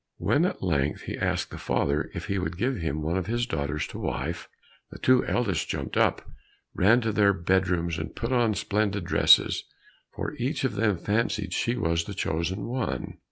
When at length he asked the father if he would give him one of his daughters to wife, the two eldest jumped up, ran into their bedrooms to put on splendid dresses, for each of them fancied she was the chosen one.